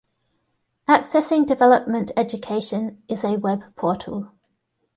Accessing Development Education is a web portal.